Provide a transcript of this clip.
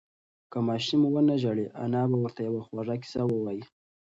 که ماشوم ونه ژاړي، انا به ورته یوه خوږه قصه ووایي.